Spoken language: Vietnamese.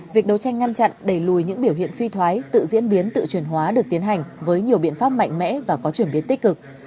việc đấu tranh ngăn chặn đẩy lùi những biểu hiện suy thoái tự diễn biến tự truyền hóa được tiến hành với nhiều biện pháp mạnh mẽ và có chuyển biến tích cực